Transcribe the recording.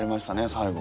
最後。